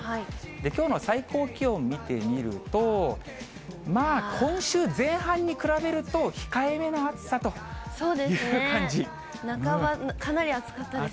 きょうの最高気温見てみると、今週前半に比べると、半ば、かなり暑かったですよ